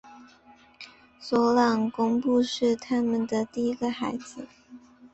索朗贡布是他们的第一个孩子。